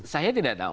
saya tidak tahu